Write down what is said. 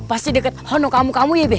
pasti deket hono kamu kamu ya